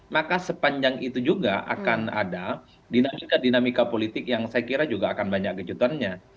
maka sepanjang itu juga akan ada dinamika dinamika politik yang saya kira juga akan banyak kejutannya